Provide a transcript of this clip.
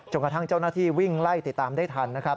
กระทั่งเจ้าหน้าที่วิ่งไล่ติดตามได้ทันนะครับ